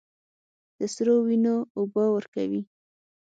د سرو، وینو اوبه ورکوي